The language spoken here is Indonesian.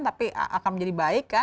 tapi akan menjadi baik ya